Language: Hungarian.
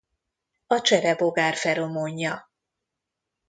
A cserebogár feromonja.